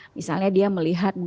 misalnya dia melihat